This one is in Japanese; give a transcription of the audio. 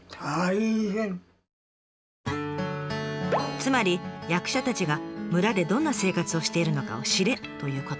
つまり「役者たちが村でどんな生活をしているのかを知れ！」ということ。